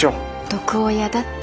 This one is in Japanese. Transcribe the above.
毒親だって。